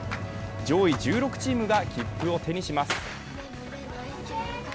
上位１６チームが切符を手にします。